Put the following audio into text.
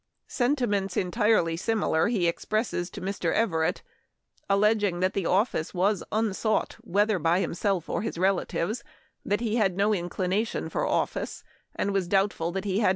Sentiments en tirely similar he expresses to Mr. Everett, alleging that the office was unsought whether by himself or his relatives ; that he had no incli nation for office, and was doubtful that he had 190 Memoir of Washington Irving.